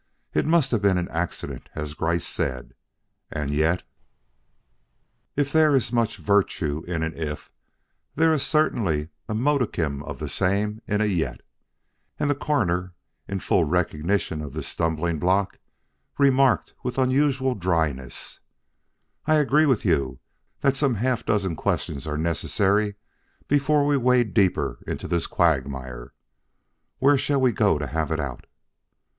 It must have been an accident as Gryce said; and yet If there is much virtue in an if, there is certainly a modicum of the same in a yet, and the Coroner, in full recognition of this stumbling block, remarked with unusual dryness: "I agree with you that some half dozen questions are necessary before we wade deeper into this quagmire. Where shall we go to have it out?"